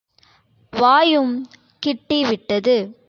வாயும் கிட்டி விட்டது.